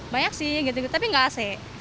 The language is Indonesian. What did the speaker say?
banyak sih gitu tapi nggak ac